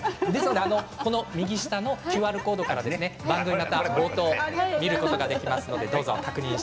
右下のＱＲコードから番組冒頭から見ることができます。